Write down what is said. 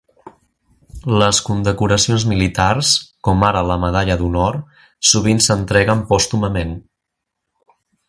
Les condecoracions militars, com ara la medalla d'honor, sovint s'entreguen pòstumament.